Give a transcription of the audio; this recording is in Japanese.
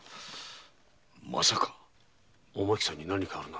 まさかおまきさんに何かあるな。